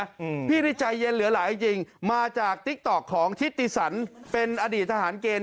อืมพี่นี่ใจเย็นเหลือหลายจริงจริงมาจากติ๊กต๊อกของทิติสันเป็นอดีตทหารเกณฑ์